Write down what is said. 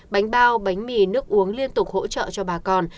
bánh bao bánh mì nước uống liên tục hỗ trợ cho bà con